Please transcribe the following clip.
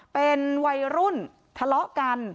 เป็นวัยรุ่นทะเลาะกัน